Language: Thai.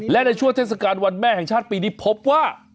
และในช่วงเทศกาลวันแม่แห่งชาติปีนี้พบว่า